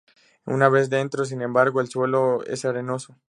Una vez dentro, sin embargo, el suelo es arenoso.